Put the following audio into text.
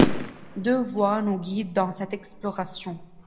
Deux voix nous guident dans cette exploration.